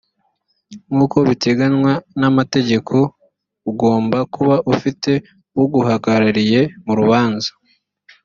nkuko biteganywa na mategeko ugomba kuba ufite uguhagarariye mu rubanza